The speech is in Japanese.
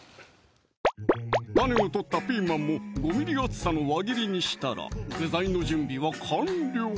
種を取ったピーマンも５ｍｍ厚さの輪切りにしたら具材の準備は完了